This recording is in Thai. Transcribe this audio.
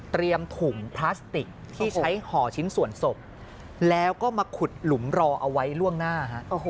ถุงพลาสติกที่ใช้ห่อชิ้นส่วนศพแล้วก็มาขุดหลุมรอเอาไว้ล่วงหน้า